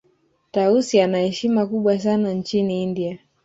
tausi ana heshima kubwa sana nchini india